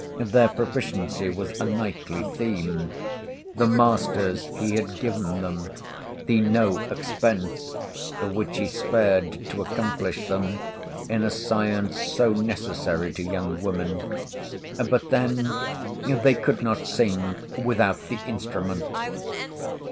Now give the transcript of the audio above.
Their proficiency was a nightly theme—the masters he had given them—the "no expence" which he spared to accomplish them in a science "so necessary to young women." But then—they could not sing "without the instrument."